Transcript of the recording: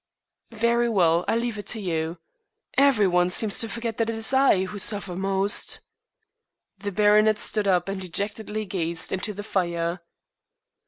"Very well, I leave it to you. Every one seems to forget that it is I who suffer most." The baronet stood up and dejectedly gazed into the fire.